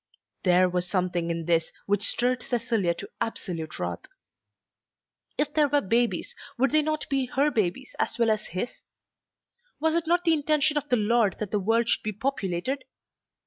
There was something in this which stirred Cecilia to absolute wrath. If there were babies would they not be her babies as well as his? Was it not the intention of the Lord that the world should be populated?